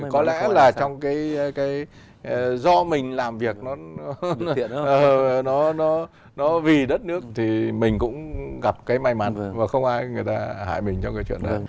có lẽ là trong cái do mình làm việc nó vì đất nước thì mình cũng gặp cái may mắn và không ai người ta hại mình trong cái chuyện đó